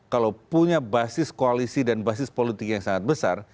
kalau punya basis koalisi dan basis politik yang sangat besar